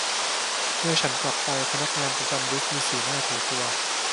เมื่อฉันกลับไป พนักงานประจำลิฟต์มีสีหน้าถือตัว